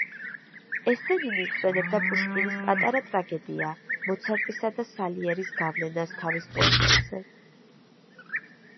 ესენინი იხსენებდა პუშკინის „პატარა ტრაგედია“ მოცარტისა და სალიერის გავლენას თავის პოემაზე.